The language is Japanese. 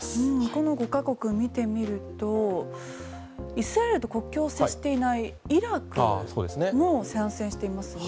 この５か国を見てみるとイスラエルと国境を接していないイラクも賛成していますね。